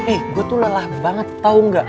eh gue tuh lelah banget tau gak